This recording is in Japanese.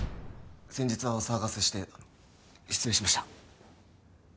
先日はお騒がせして失礼しました。